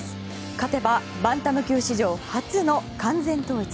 勝てばバンタム級史上初の完全統一。